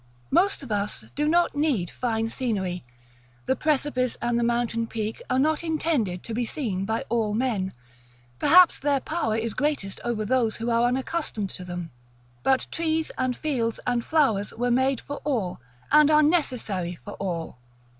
Most of us do not need fine scenery; the precipice and the mountain peak are not intended to be seen by all men, perhaps their power is greatest over those who are unaccustomed to them. But trees, and fields, and flowers were made for all, and are necessary for all.